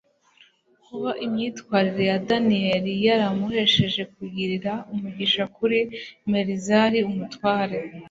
kuba imyitwarire ya daniyeli yaramuhesheje kugirira umugisha kuri melizari umutware